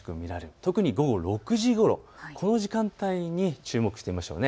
特に午後６時ごろ、この時間帯に注目してみましょう。